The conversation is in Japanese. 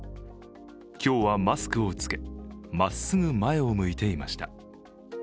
今日はマスクを着け、まっすぐ前を向いていました。